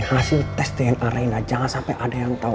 hasil tes dna rina jangan sampai ada yang tau